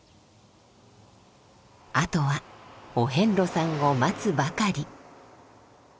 あとはお遍路さんを待つばかり。